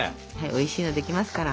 おいしいのできますから。